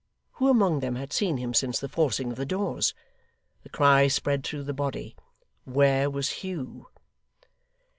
Who among them had seen him, since the forcing of the doors? The cry spread through the body. Where was Hugh!